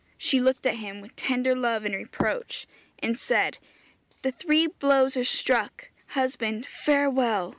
She looked at him with tender love and reproach, and said, 'The three blows are struck husband, farewell!'